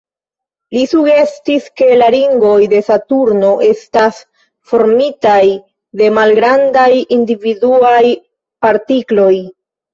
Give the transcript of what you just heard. Li sugestis, ke la ringoj de Saturno estas formitaj de malgrandaj individuaj partikloj.